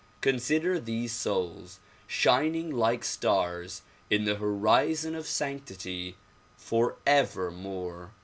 Consider these souls, shining like stars in the horizon of sanctity forevermore.